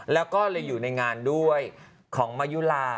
แล้วก็เลยอยู่ในงานด้วยของมายุลา